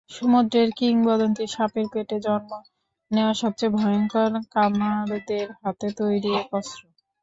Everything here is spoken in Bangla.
সমুদ্রের কিংবদন্তী সাপের পেটে জন্ম নেয়া সবচেয়ে ভয়ংকর কামারদের হাতে তৈরি এক অস্ত্র।